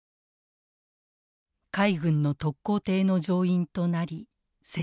海軍の特攻艇の乗員となり生還。